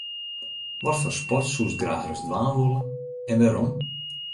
Watfoar sport soest graach ris dwaan wolle en wêrom?